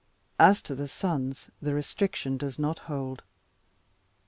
As to the sons the restriction does not hold.